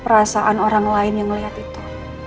perasaan orang lain yang melihat itu